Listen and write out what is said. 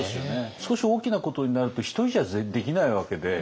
少し大きなことになると一人じゃできないわけで。